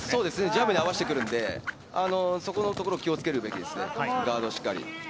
ジャブに合わせてくるんで、そこのところを気を付けるべきですね、ガードをしっかり。